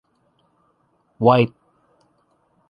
White.